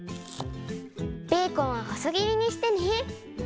ベーコンはほそぎりにしてね。